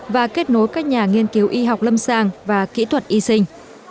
và kết nối các nhà nghiên cứu y học lâm sàng và kỹ thuật y sinh